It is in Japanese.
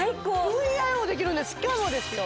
ＶＩＯできるんですしかもですよ